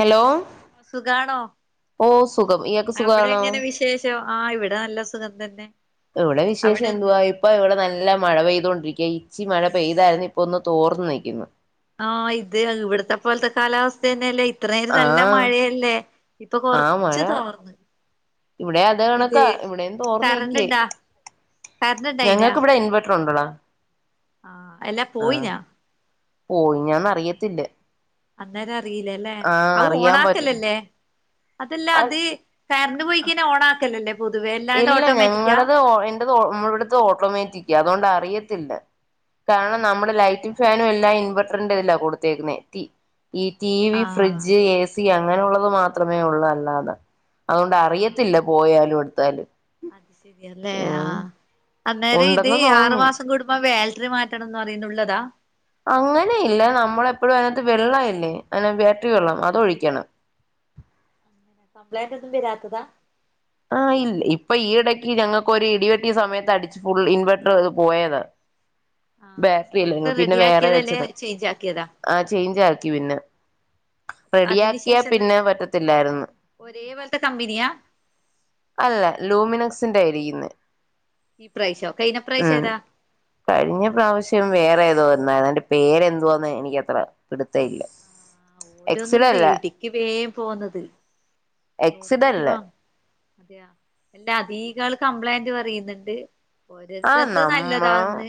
Hello സുഖാണോ ഓ സുഖം ഇയാക്കോ അവിടെ എങ്ങനെ വിശേഷോം ആ ഇവിടെ നല്ല സുഖം തന്നെ ഇവിടെ അവിടെ വിശേഷം എന്ത്? ന്തുവാ ഇ ഇപ്പൊ ഇവിടെ നല്ല മഴ പെയ്തുകൊണ്ടിരിക്യാ ഇച്ചി മഴ പെയ്തായിരുന്നു ഇപ്പൊ ഒന്ന് തോർന്നു നിൽക്കുന്നു ആഹ് ഇത് ഇവിടത്തെ പോലത്തെ കാലാവസ്ഥ ന്നല്ലോ ഇത്ര നേരം നല്ല ആഹ് മഴയല്ലേ ഇപ്പൊ ആ മഴ കൊറച്ച് തോർന്ന്. ഇവിടെ അത് ഇത് കണക്കാ ഇവിടെ കറണ്ട് തോർന്നിക്കേ. ഇണ്ടാ കറണ്ട് ഇണ്ടായിനാ ഞങ്ങക്ക് ഇവിടെ ഇൻവേർട്ടർ ഉണ്ടെടാ. ആഹ് അല്ല പോയിനാ? പോയിനോ അറിയത്തില്ല. അന്നേരം അറിയില്ലേല്ലെ ആഹ് അത് അറിയാൻ പറ്റും ഓണക്കലല്ലേ അതെല്ല അത് കരണ്ട് പോയ്കയ്ഞാ ഓൺ ആക്കലല്ലേ? ഇല്ല ഞങ്ങളത് എന്റെത് മ്മവടുത്തെ ഓട്ടോമാറ്റിക്ക അതോണ്ട് അറിയത്തില്ല. ആ കാണം നമ്മടെ ലൈറ്റും അങ്ങനെ ഫാനും എല്ലാം ഇൻവെർട്ടറിൻ തില്ല കൊടുത്തേക്കുന്നെ ടി ഈ ടി വി ആ ഫ്രിഡ്ജ് എ സി അങ്ങനുള്ളത് മാത്രമേ ഉള്ളൂ അല്ലാതെ. അതുകൊണ്ട് ആ അറിയത്തില്ല പോയാലും എട്ത്താലും. അത് ശരിയല്ലേ ആഹ് അന്നേരം ഇത് ഉണ്ടെന്ന് തോന്നുന്നു ആറുമാസം കൂടുമ്പോ വേൽറ്റ്റി മാ കെടന്ന് പറയുന്നുള്ളതാ? അങ്ങനെ ഇല്ല നമ്മള് എപ്പഴും അയ്നകത്ത് വെള്ളം ഇല്ലേ അയ്ന ബേട്ട്റി വെള്ളം അതൊഴിക്കണം. കംബ്ലൈന്റ് ഒന്നും വെരാത്തതാ? ആഹ ഇല്ല് ഇപ്പൊ ഈയിടക്ക് ഞങ്ങൾക് ഒരു ഇടിവെട്ടിയ സമയത്ത് അടിച്ച് ഫുൾ ഇൻവെർട്ടർ പോയതാ. ആഹ് ബാറ്റ്റി എന്നിട്ട് അല്ലേനു പിന്നെ വേറെ റെഡിയാക്കിയതല്ലേ വെച്ചത ചേഞ്ച് ആക്കിയതാ ആ ചേഞ്ച് ആക്കി പിന്നെ. അതിന് റെഡിയാക്കിയാ ശേഷം പിന്നെ പറ്റത്തില്ലായ്രുന്നു. ഒരേ പോലത്തെ കമ്പനിയാ അല്ല ലൂമിനക്സിന്റെ യിരിക്ന്നെ. ഈ പ്രാവശ്യം കയിന പ്രാവശ്യം ഏതാ കയിഞ്ഞ പ്രാവശ്യം വേറെ ഏതോര്ന്നാ അയ്ന്റെ പേരെന്താന്ന് എനിക്കത്ര പിടുത്തയില്ല. രോന്ന്ണ്ട് ഇടിക്ക് വേം പോന്നത് നോക്കീട്ട് എക്സിഡല്ല വാ [unintelligible] എല്ലാ അധീകാള് കംപ്ലൈന്റ് പറയ്ന്ന്ണ്ട് ആ ഓരോത്തര്ത് നമ്മ നല്ലതാന്ന്.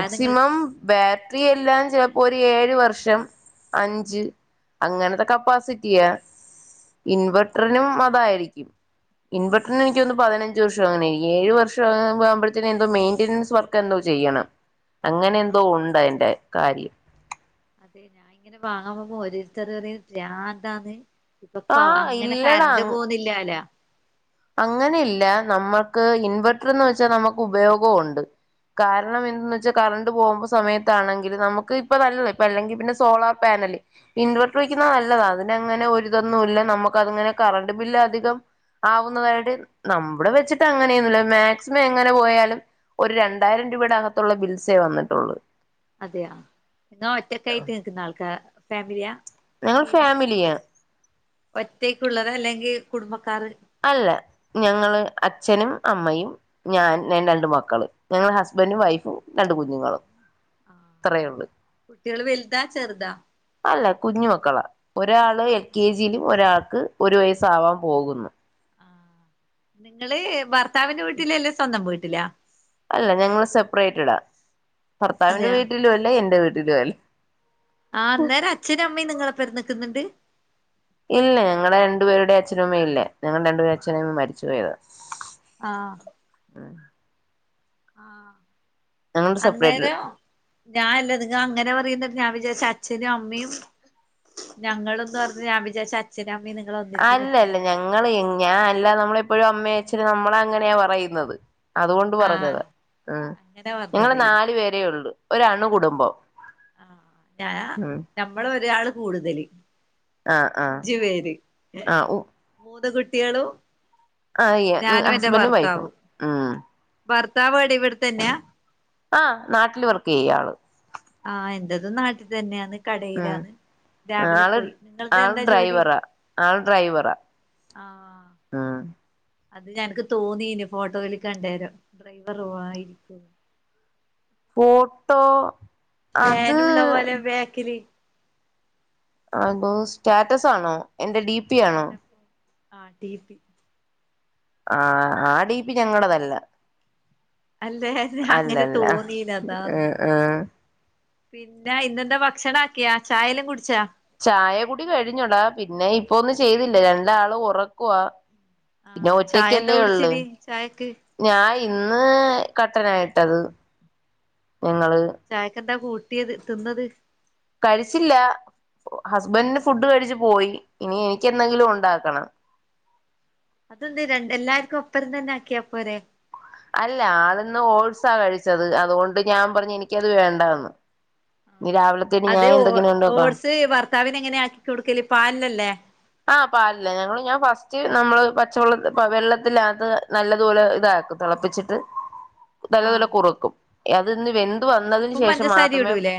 അത് നിങ്ങൾ ബാറ്റ്റി എല്ലാം ചെലപ്പോ ഒരു ഏഴ് വർഷം അഞ്ച് അങ്ങനത്തെ കപ്പാസിറ്റിയാ ആഹ് ഇൻവെർട്ടറിനും അതായിരിക്കും. ഇൻവർറ്ററിന് എനിക്കോന്ന് പതിനഞ്ച് വർഷം അങ്ങെനെയ് ഏഴ് വർഷകുമ്പഴത്തിനെ എന്തോ മെയിന്റനൻസ് വർക്ക് എന്തോ ചെയ്യണം അങ്ങനെ എന്തോ ആഹ് ഒണ്ട് അയ്ന്റെ കാര്യം. അതെ ഞാൻ ഇങ്ങനെ വാങ്ങാൻ പോമ്പോ ഓരുത്തര് റിയും പ്രാന്താന്ന്. ഇപ്പൊ ആ അങ്ങനെ ഇല്ലടാ കറണ്ട് പോന്നില്ലാല അങ്ങനെ ഇല്ല നമ്മക്ക് ഇൻവെർട്ടർന്ന് വെച്ചാ നമുക്ക് ഉപയോഗോ ഉണ്ട്. കാരണം എന്തന്ന് വെച്ചാ കറണ്ട് പോമ്പോ സമയത്താണെങ്കിൽ നമുക്ക് ഇപ്പൊ നല്ലത് ഇപ്പ അല്ലെങ്കിൽ പിന്നെ സോളാർ പാനല്. ഇൻവെർട്ടർ വെയ്ക്കുന്ന നല്ലതാ അതിന അങ്ങനെ ഒരിതൊന്നും ഇല്ല നമുക്ക് അതിങ്ങനെ കറണ്ട് ബില്ല് അധികം ആവുന്നതായിട്ട് നമ്മുടെ വെച്ചിട്ട് അങ്ങനെന്നുല്ല മാക്സിമം എങ്ങനെ പോയാലും ഒരു രണ്ടായിരം രൂപയുടെ അകത്തുള്ള ബിൽസേ വന്നിട്ടൊള്ള്. അതെയ ന്നാ ഒറ്റക്ക് ആയിറ്റ് നിക്ക്ന്ന ആൾക്കാ ഫാമിലിയാ ഞങ്ങൾ ടീമ? ഫാമിലിയാ ഒറ്റേക്കുള്ളത അല്ലെങ്കി കുടുംബക്കാറ് അല്ല ഞങ്ങള് അച്ഛനും അമ്മയും ഞാൻ ന്റ രണ്ട് മക്കള് ഞങ്ങള് ഹസ്ബന്റും വൈഫും രണ്ട് കുഞ്ഞുങ്ങളും. അത്രേ ഉള്ളൂ കുട്ട്യേള് വെൽതാ ചെർതാ? അല്ല കുഞ്ഞുമക്കളാ. ഒരാള് എൽ കെ ജി ലും ഒരാക്ക് ഒരു വയസ് ആവാ പോക്ന്ന്. നിങ്ങള് ഭർത്താവിന്റെ വീട്ടില അല്ലേ സ്വന്തം വീട്ടിലാ? അല്ല ഞങ്ങൾ സപ്രൈറ്റടാ ഭർത്താവിന്റെ അതെയാ വീട്ടിലു അല്ല എന്റെ വീട്ടിലു അൽ ആഹ് അന്നേരം അച്ഛനും അമ്മയും നിങ്ങളെ പെര ന്ന്ക്ന്ന്ണ്ട്.? ഇല്ല ഞങ്ങളെ രണ്ടു പേരുടെ അച്ഛനു അമ്മയും ഇല്ല ഞങ്ങടെ രണ്ടുപേരുടെ അച്ഛനു അമ്മേ ഇല്ല മരിച്ചുപോയതാ ആഹ്. ആഹ് ഞങ്ങള് സെപ്പറേറ്റഡ് അന്നേരം ഞാന്ല്ല നിങ്ങ അങ്ങനെ പറയുന്നത് ഞാൻ വിജാരിച്ചു അച്ഛനും അമ്മയും. ഞങ്ങള്ന്ന് പർഞ്ഞ ഞാൻ വിജാര്ച്ച് അ ച്ചനും അമ്മയും നിങ്ങളൊന്നിച്ച്. അല്ലല്ല ഞങ്ങള് എങ് ഞാൻ അല്ല നമ്മളെപ്പോഴും അമ്മേ അച്ഛന് നമ്മള് അങ്ങനെയാ പറയുന്നത്. അതുകൊണ്ട് പറഞ്ഞതാ ആഹ് ഉം അങ്ങനെ ഞങ്ങള് നാലു പറഞ്ഞതായിരിക്കും പേരേള്ളു ഒര് അണുകുടുംബം. ആഹ് ഞാ നമ്മൾ ഒരാള് കൂടുതല്. ആഹ് ആഹ് അഞ്ചു പേര് ഏ ആഹ് ഉ മൂന്ന് കുട്ടിയാളും. ആഹ് ഇ എ ഹസ്ബന്റും വൈഫും ഉം. ഭർത്താവേടെ ഇവിട്ത്തന്നെയാ? ആഹ് നാട്ടിൽ വർക്കെയ്യ ആള്. ആഹ് എന്റതും നാട്ടി തന്നെയാണ്. ഉം കടയിലാണ് രാവിലെ ആള് പോയി നിങ്ങള്ത് ആള് എന്താ ജോലി? ഡ്രൈവറാ ആഹ്. ആഹ്. അത് ഞനക്ക് തോന്നീന് ഫോട്ടോൽ കണ്ടേരം ഡ്രൈവർവായിരിക്കും. ഫോട്ടോ അത്. ബേക്ക്ൽ. അതോ സ്റ്റാറ്റസ് ആണോ എന്റെ ഡീ അല്ല ഫു ആഹ് ടി പി. ആഹ് ആ ഡീപ്പി ഞങ്ങള്തല്ല. അല്ലേ അങ്ങനെ അല്ലല്ല തോന്നീന് അതാണ്. ആഹ് ആഹ് പിന്നെ ഇന്നെന്താ ഭക്ഷണം ആക്കിയാ ചായല്ലാം കുടിച്ചാ? ചായ കുടി കഴിഞ്ഞോടാ പിന്നെ ഇപ്പൊന്നും ചെയ്തില്ല രണ്ടാളും ഉറക്കവാ. പിന്നെ ആഹ് ചായ എന്താ ഒറ്റക്കല്ലേ ഉള്ള്. കുടിച്ചിന് ചായക്ക് ഞാൻ ഇന്ന് കട്ടനായിട്ടത് ഞങ്ങള്. ചായക്കെന്താ കൂട്ടിയത് തിന്നത്? കഴിച്ചില്ല ഒ ഹസ്ബന്റ്ന് ഫുഡ് കഴിച്ചു പോയി ഇനി എനിക്കെന്തെങ്കിലും ഉണ്ടാക്കണം. അതെന്തെ രണ്ട് എല്ലാർക്കും ഒപ്പരം തന്നെ ആക്കിയാ പോരെ? അല്ല ആള്ന്ന് ഓടസാ കഴിച്ചത് അതുകൊണ്ട് ഞാൻ പറഞ്ഞ് എനിക്കത് വേണ്ടാന്ന്. ഇനി രാവിലെ. അതെ ഓട്സ് ഭർത്താവിനെങ്ങനെ ആക്കി കൊടുക്കല് പാൽലല്ലേ? ആഹ് പാൽലാ ഞങ്ങള് ഞാൻ ഫസ്റ്റ് നമ്മള് പച്ചവെള്ളത്തി വെള്ളത്തിനകത്ത്. നല്ലതുപോലെ ഇതാക്കും തെളപ്പിച്ചിട്ട്. [inaudible] നല്ല പോലെ കുറുക്കും അത്ന്ന് വെന്ത് വന്നതിന് ഉപ്പും ശേഷം പഞ്ചസാരയും മാത്രമേ. ഇടൂലേ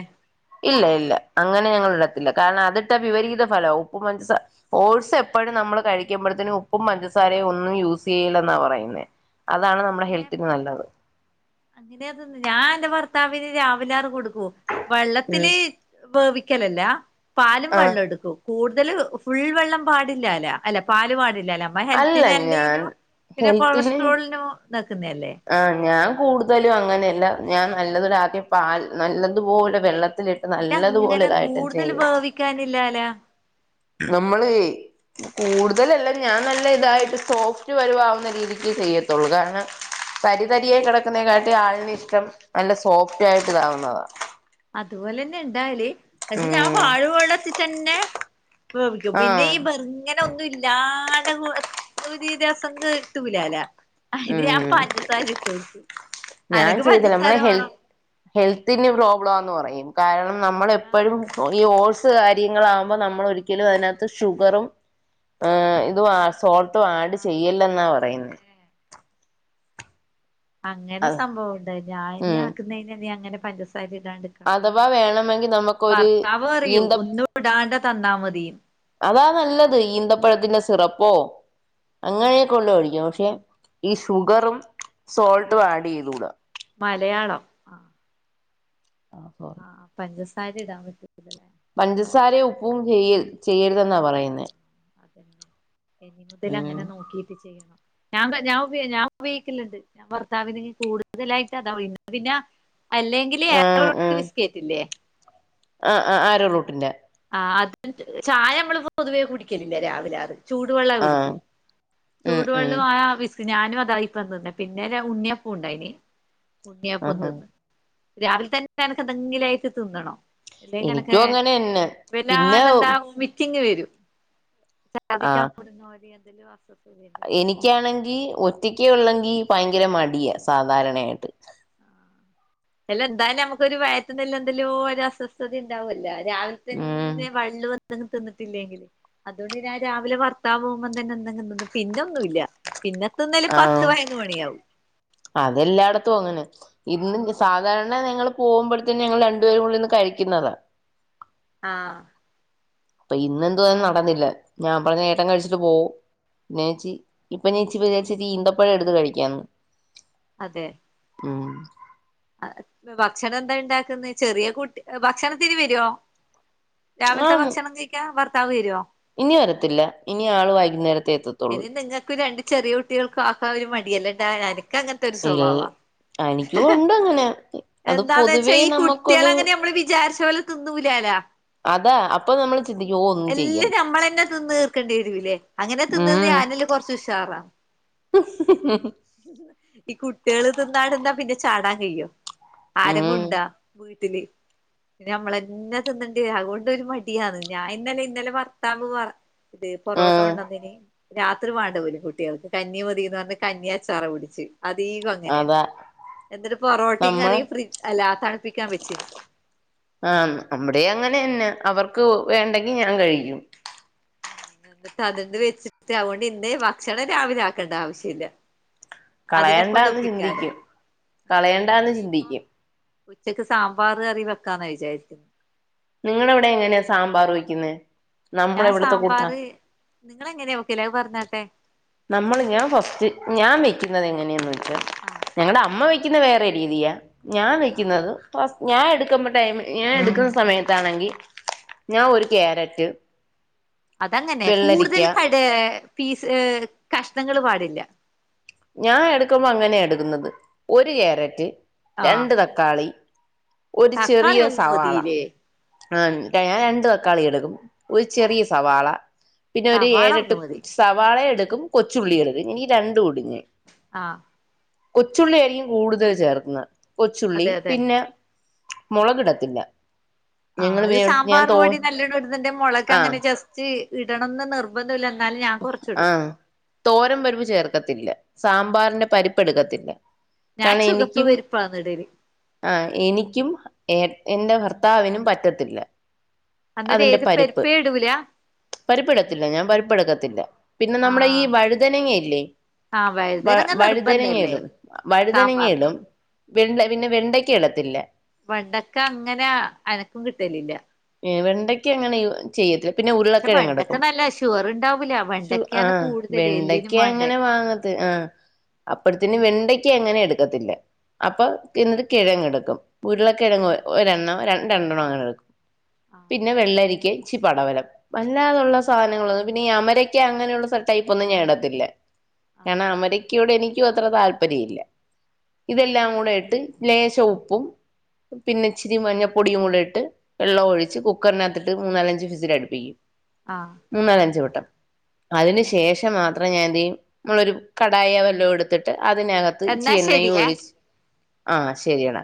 ഇല്ല ഇല്ല അങ്ങനെ ഞങ്ങള് ഇടത്തില്ല കാര്ണം അതിട്ടാ വിപരീത ഫലാവും ഉപ്പ് പഞ്ചസ ഓട്സ് എപ്പഴും നമ്മൾ കഴിക്കുമ്പോഴത്തും ഉപ്പും പഞ്ചസാരയും ഒന്നും യൂസ് ചെയ്യല്ലെന്നാ പറയുന്നേ. അതാണ് നമ്മുടെ ഹെൽത്തിന് നല്ലത്. അതിനകത്ത്ന്ന് ഞാൻ എന്റെ ഭർത്താവിന് രാവിലെ ആർ കൊടുക്കും ഉം വെള്ളത്തില്. വേവിക്കലല്ല പാലും ആഹ് വെള്ളം എടുക്കും. കൂടുതൽ ഫുൾ വെള്ളം പാടില്ലാല അല്ല പാല് പാടില്ലാല അമ്മ അല്ല ഹെൽത്തിന് ഞാൻ നല്ലേനും പിന്നെ ഹെൽത്തില് കൊളസ്ട്രോളിനോ താക്കുന്നെ അല്ലേ ആ ഞാൻ കൂടുതലും അങ്ങനെയല്ല ഞാൻ നല്ലതൊരു ആദ്യം പാൽ നല്ലതുപോലെ വെള്ളത്തിലി പിന്നെ ങ്ങനെ കൂടുതൽ വേവിക്കാനില്ലാലാ നമ്മളെ കൂടുതലെല്ലാ ഞാൻ നല്ല ഇതായിട്ട് സോഫ്റ്റ് വരുവാവുന്ന രീതിക്കെ ചെയ്യത്തുള്ളൂ കാര്ണം തരി തരിയായി കെടക്കുന്നേക്കാട്ട് ആളിന് ഇഷ്ട്ടം നല്ല സോഫ്റ്റ് ആയിട്ട് ഇതാവുന്നതാ അതുപോലെന്നെ ഇണ്ടാഹല് പക്ഷെ ഞാൻ ഉം പാലും വെള്ളത്തി തന്നെ വേവിക്കും പിന്നെ ആഹ് ഈ ബെർങ്ങ നൊന്നും ഇല്ലാണ്ടെ ഒരു രസം കിട്ടൂലാല അയിന് ഞാൻ ഉം പഞ്ചസാര ഇട്ടു കൊടുക്കു ഞാൻ അനക്ക് ചെയ്തില്ല പഞ്ചസാര നമ്മളെ വാണം ഹെൽത്ത് ഹെൽത്തിന് പ്രോബ്ലംന്ന് പറയും കാരണം നമ്മൾ എപ്പോഴും ആഹ് ഈ ഓഴ്സ് കാര്യങ്ങളാകുമ്പോൾ നമ്മൾ ഒരിക്കലും അതിനകത്ത് ഷുഗറും ഏ ഇതും സോൾട്ടും ആഡ് ആഹ് ചെയ്യല്ല എന്നാ പറയുന്നത് അങ്ങനെയുണ്ടല്ലേ അങ്ങനെ അത് സംഭവംണ്ട് ഞാനീ ഉം ആക്കുന്ന നീ അങ്ങനെ പഞ്ചസാര ഇടാണ്ട് അഥവാ വേണമെങ്കിൽ നമുക്കൊരു ഭർത്താവ് റയും ഈന്ത ഒന്നും ഇടാണ്ട തന്നാ മതിന്ന് അതാ നല്ലത് ഈന്തപ്പഴത്തിന്റെ സിറപ്പോ അങ്ങനെയൊക്കെള്ള മേടിക്കും പക്ഷെ ഈ ഷുഗറും സോൾട്ടും ആഡ് ചെയ്തൂടുക മലയാളം ആഹ് ആഹ് സോറി ആഹ് പഞ്ചസാര ഇടാൻ പറ്റതല്ലേ പഞ്ചസാരയും ഉപ്പും ചെയ്യ ചെയ്യരുതെന്നാ ആഹ് പറയുന്ന അതന്നെ ഇനി മുതൽ ഉം അങ്ങനെ നോക്കീട്ട് ചെയ്യണം ഞാൻ ഞാ ഞാൻ ഉയോഗിക്കുണ്ട് ഞാൻ ഭർത്താവിന് കൂടുതലായിട്ട് അത പിന്നെ അല്ലെങ്കില് ഉം ആരോറൂട്ട് ഉം ബിസ്കറ്റ് ഇല്ലേ ആഹ് ആഹ് ആരോറൂട്ടിൻ്റെ ആഹ് അത് ചായ നമ്മളി പൊതുവേ കുടിക്കലില്ലേ രാവിലെ ആറ് ചൂടുവെള്ളം ആഹ് കുടിക്കൂ ഉം ഉം ചൂടുവെള്ളവും ആ വിസ്ക് ഞാനും അതാ ഇപ്പം തിന്നെ പിന്നെ ഉണ്യപ്പം ഉണ്ടാക്കി ഉണ്യപ്പം ആഹാ തിന്ന് രാവിലെ തന്നെ എനക്ക് എന്തെങ്കിലും ആയിട്ട് തിന്നണോ എനിക്കും അങ്ങനെന്നെ പിന്നെ വല്ലാണ്ടെന്താ മിച്ചിങ്ങ് വരും പധിക്കാൻ പടുന്ന ഒരുര് അതില് അസ്വസ്ഥതയു എനിക്കാണെങ്കിൽ ഒറ്റക്ക് ഉള്ളെങ്കിൽ ഭയങ്കര മടിയാ സാധാരണയായിട്ട് അല്ല എന്തായാലും നമുക്കൊരു വയറ്റ്റിനൊ എന്തേല്ലോ ഒരു അസ്വസ്ഥത ഉണ്ടാവുംല്ല രാവിലെ ഉം തന്നെ [unintelligible] തിന്നിട്ടില്ലെങ്കില് അതുകൊണ്ട് ഞാൻ രാവിലെ ഭർത്താവ് പോകുമ്പോം തന്നെ എന്തെങ്കിതിന്നും പിന്നെന്നുല്ല പിന്നെ തിന്നല് പത്ത് ആഹ് പതിനൊന്നു മണിയാവും അതെല്ലായിടത്തും അങ്ങനെ ഇന്ന് സാധാരണ ഞങ്ങള് പോകുമ്പഴത്തേന്ന ഞങ്ങള് രണ്ടു പേരും കൂടെ ഇര്ന്ന് കഴിക്കുന്നതാ ആഹ് അപ്പൊ ഇന്നെന്തുവോ അത് നടന്നില്ല ഞാൻ പറഞ്ഞു ഏട്ടൻ കഴിച്ചിട്ട് പോ പിന്നെച്ചി ഇപ്പൊ ചേച്ചി വിചാരിച്ചിട്ട് ഈന്തപ്പഴം എടുത്ത് കഴിക്കാന്ന് അതെ ഉം ഭക്ഷണം എന്താ ഇണ്ടാക്കുന്ന ചെറിയ കുട്ടി ഭക്ഷണത്തിന് വരുവോ രാവിലത്തെ ആഹ് ഭക്ഷണം കഴിക്കാ ഭർത്താവ് വരുവോ ഇനി വരത്തില്ല ഇനി ആള് വൈകുന്നേരത്തെ എത്തു ഇനി നിങ്ങൾക്ക് രണ്ട് ചെറിയ കുട്ടിയൾക്കും ആക്കാൻ ഒരു മടിയല്ലണ്ടാ എനക്ക് അങ്ങനത്തെ ഒരു ഇൽ സ്വഭാവവാ എനിക്കും ഉണ്ട് അങ്ങനെ അത് എന്താന്ന് വെച്ചാ പൊതുവേ ഈ കുട്ട്യാള് നമുക്കൊരു അങ്ങനെ നമ്മള് വിചാരിച്ച പോലെ തിന്നൂലലാ അതാ അപ്പൊ നമ്മൾ ചിന്തിക്കും ഓ ഒന്നും എല്ലാം ചെയ്യണ്ട നമ്മളന്നെ തിന്ന് തീർക്കേണ്ടി വരൂല്ലേ അങ്ങനെ തിന്ന് തിന്ന് ഉം ഞാനല്ലാം കൊറച്ച് ഉഷാറാ ഈ കുട്ടിയള് തിന്നാടെന്താ പിന്നെ ചാടാൻ കഴിയോ ഉം ആരെങ്കുംണ്ടാ വീട്ടില് നമ്മളന്നെ തിന്നേണ്ടി അതുകൊണ്ട് ഒരു മടിയാണ് ഞാൻ ഇന്നലെ ഇന്നലെ ഭറത്താവ് പറ ഇത് പൊറോട്ടോ ഉം കൊണ്ടന്ന് രാത്രി വേണ്ട പോലും കുട്ടിയൾക്ക് കഞ്ഞിമതി എന്ന് പറഞ്ഞു കഞ്ഞി അച്ചാറും കുടിച്ച് അതീകം അങ്ങനെയാ അതാ എന്നിട്ട് പൊറോട്ടയും നമ്മള് കറിയും ഫ്രിഡ്ജ് അല്ലാ തണുപ്പിക്കാൻ വെച്ചിന് ആഹ് നമ്മുടെ അങ്ങനെന്നെ അവർക്ക് വേണ്ടെങ്കി ഞാൻ കഴിക്കും [inaudible] എന്നിട്ട് അതന്ന് വെച്ചിട്ട് അതുകൊണ്ട് ഇന്ന് ഭക്ഷണം രാവിലെ ആക്കേണ്ട ആവശ്യല്ല കളയണ്ട എന്ന് ചിന്തിക്കും കളയണ്ട എന്ന് നീ ഇപ്പൊ ചിന്തിക്കും ഉച്ചക്ക് സാമ്പാർ കറി വെക്കാന്ന വിചാരിക്കുന്നു നിങ്ങളവിടെ എങ്ങനെയാ സാമ്പാർ വെക്കുന്നെ നമ്മളെ ഞാൻ ഇവിടുത്തെ സാമ്പാർ കൂട്ടാ നിങ്ങ എങ്ങനെയ വോക്കില അഹ് പറഞ്ഞോട്ടെ നമ്മൾ ഞാൻ ഫസ്റ്റ് ഞാൻ വെയക്കുന്നത് എങ്ങനെയാെന്ന് വെച്ചാ ആഹ് ഞങ്ങളുടെ അമ്മ വെക്കുന്ന വേറെ രീതിയാ ഞാൻ ആഹ് വയ്ക്കുന്നത് ഞാൻ എടുക്കുമ്പ ടൈ ഞാൻ എടുക്കുന്ന സമയത്ത് അതാണെങ്കി ഞാൻ ഒരു കാരറ്റ് അതങ്ങനെയ കൂടുതൽ കട ഫീസ് കഷണങ്ങൾ പാടില്ല ഞാൻ എടുക്കുമ്പോ അങ്ങനെ എടുക്കുന്നത് ഒരു കാരറ്റ് ആഹ് രണ്ട് ത തക്കാളി ഒരു ചെറിയ തക്കാളി ഒന്ന് സവാള മതില്ലേ ആ ഞൻ രണ്ട് തക്കാളി എടുക്കും ഒരു ചെറിയ സവാള പിന്നെ ഒരു സവാള ഏരട്ട് ഒന്ന് മതി സവാളയ എടുക്കും കൊച്ചുള്ളി എടുക്കും ഇ രണ്ട് ഇടു ഞാൻ ആഹ് കൊച്ചുള്ളി ആയിരിക്കും കൂടുതൽ ചേർക്കുന്നത് കൊച്ചുള്ളി അതെ അതെ പിന്നെ മുളകിടത്തില്ല ഞങ്ങള് ആത് പിന്നെ ഞാൻ സാമ്പാർ തോ പൊടി നല്ലണം ഇുന്നന്റെ മുളക് ആഹ് അങ്ങനെ ജസ്റ്റ് ഇടണംന്ന് നിർ നിബന്ധല്ല എന്നാല ഞാൻ കുറച്ചിടും തോരം വരിവ് ചേർക്കത്തില്ല സാമ്പാറിന്റെ പരിപ്പ് എടുക്കത്തില്ല ഞാൻ കണം ചുവപ്പ് എനിക്കും പരിപ്പാണ് ഇടല് ആ എനിക്കും എ എന്റെ ഭർത്താവിനും പറ്റത്തില്ല അന്നേരം അതിന്റെ ഏത് പരിപ്പ് പരിപ്പേ ഇടൂല പരിപ്പ്ടത്തില്ല ഞാൻ പരിപ്പ് എടുക്ക പിന്നെ നമ്മള ഈ ആഹ് വഴുതനങ്ങല്ലേ ആഹ് വ വഴുതനങ്ങ നിർബന്ധല്ലേ വഴുതനങ്ങയിടും സാമ്പാറിന് വഴുതനങ്ങയിടും വെണ്ട പിന്നെ വെണ്ടയ്ക്ക ഇടാത്തില്ല വണ്ടൊക്കെ അങ്ങനെ അനക്കും കിട്ടലില്ല ഏ വെണ്ടയ്ക്ക് അങ്ങനെ ചെയ്യത്തില്ല പിന്നെ പക്ഷെ വെണ്ടക്ക ഉരുളക്കിഴിടക്കും നല്ല ഷുഗർ ഉണ്ടാവൂല ആ വെണ്ടക്കയാണ് കൂടുതൽ വെണ്ടക്ക എല്ലിനും വേണ്ടേ അങ്ങനെ വാങ്ങ ആ അപ്പഴത്തിന് വെണ്ടയ്ക്ക് അങ്ങനെ എടുക്കത്തില്ല അപ്പൊ എന്നിട്ട് കിഴങ്ങ എടുക്കും ഉരുള്ള കിഴങ്ങ് ഒരെണ്ണം രണ്ട രണ്ടെണ്ണം അങ്ങനെ എടുക് ആഹ് പിന്നെ വെള്ളരിക്ക ഇച്ചി പടവലം വല്ലാതുള്ള സാധനങ്ങളൊന്നും പിന്നെ ഈ അമരയ്ക്ക് അങ്ങനെയുള്ള ടൈപ്പ് ഒന്നും ഞാൻ ഇണ്ടത്തില്ല. കാരണം ആഹ് അമരരിക്കയോട് എനിക്കും അത്ര താല്പര്യ ഇല്ല. ഇതെല്ലാം അതെ കൂടെ ഇട്ട്. ലേശം ഉപ്പും പിന്നെ ഇച്ചിരി മഞ്ഞപ്പൊടിയും കൂടെ ഇട്ട്. വെള്ളം ഒഴിച്ച് കുക്കറിനകത്തിട്ട് മൂന്നാലഞ്ച് ഫിസില് അടുപ്പിക്കും. ആഹ് മൂന്നാല് അഞ്ച് വട്ടം. അതിനന് ശേഷം മാത്രം ഞാൻ എന്ത് ചെയ്യും നമ്മളൊരു കടായ വല്ലോ എടുത്തിട്ട് അതിനകത്ത്. എന്നാ ചെണ്ണയും ശരിയേ ഒഴിച്ച് ആ ശരിയട.